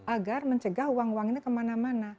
agar mencegah uang uang ini kemana mana